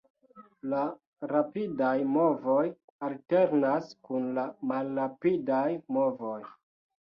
La rapidaj movoj alternas kun la malrapidaj movoj.